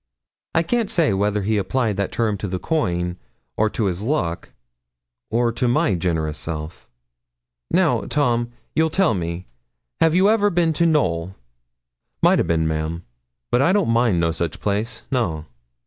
I can't say whether he applied that term to the coin, or to his luck, or to my generous self. 'Now, Tom, you'll tell me, have you ever been to Knowl?' 'Maught a' bin, ma'am, but I don't mind no sich place no.'